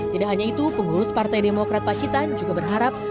tidak hanya itu pengurus partai demokrat pacitan juga berharap